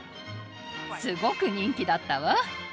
すごく人気だったわ。